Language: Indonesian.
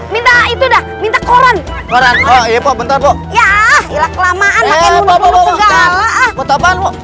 minta itu dah minta koran koran iya poh bentar ya kelamaan